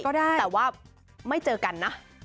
แต่ว่าไม่เจอกันนะ